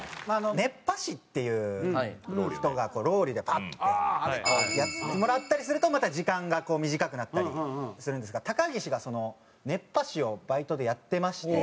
熱波師っていう人がロウリュでパッてやってもらったりするとまた時間がこう短くなったりするんですが高岸がその熱波師をバイトでやってまして。